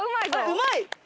うまい。